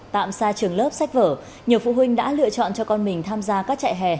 tạm xa trường lớp sách vở nhiều phụ huynh đã lựa chọn cho con mình tham gia các chạy hè